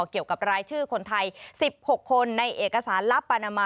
เกี่ยวกับรายชื่อคนไทย๑๖คนในเอกสารลับปานามา